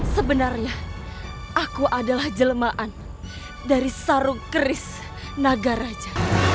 sebenarnya aku adalah jelemaan dari sarung keris nagaraja